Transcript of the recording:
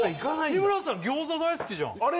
日村さん餃子大好きじゃんあれ？